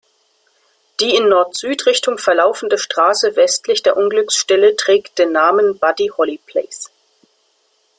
Die in Nord-Süd-Richtung verlaufende Straße westlich der Unglücksstelle trägt den Namen „Buddy Holly Place“.